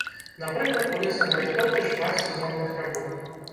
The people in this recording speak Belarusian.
Напрыклад, у лесанарыхтоўцы шмат сезонных работ.